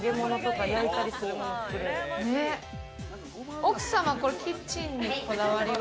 奥様、これキッチンにこだわりは？